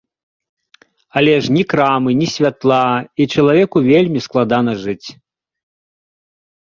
Але ж ні крамы, ні святла, і чалавеку вельмі складана жыць.